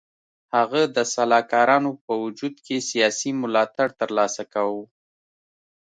هغه د سلاکارانو په وجود کې سیاسي ملاتړ تر لاسه کاوه.